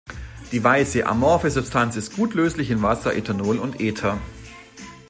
Die weiße, amorphe Substanz ist gut löslich in Wasser, Ethanol und Ether.